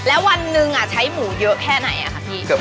แล้ววันหนึ่งใช้หมูเยอะแค่ไหนค่ะพี่